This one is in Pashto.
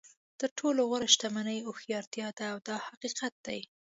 تر ټولو غوره شتمني هوښیارتیا ده دا حقیقت دی.